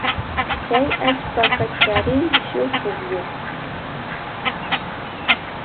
Chay allpaka charin shuk pukyuta.